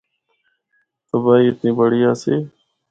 تباہی اتنی بڑی آسی۔